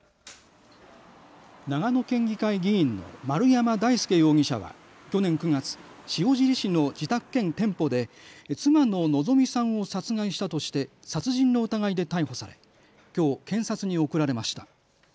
長野県議会議員の丸山大輔容疑者は去年９月、塩尻市の自宅兼店舗で妻の希美さんを殺害したとして殺人の疑いで逮捕され、きょう検察に送られました。